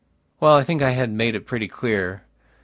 Well, I think I have made it pretty clear.